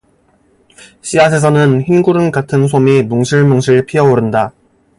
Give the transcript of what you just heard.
씨앗에서는 흰구름 같은 솜이 뭉실뭉실 피어오른다.